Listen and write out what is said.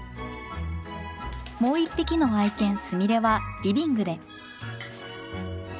もう一匹の愛犬スミレはリビングで。